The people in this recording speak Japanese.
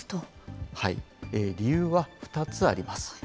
理由は２つあります。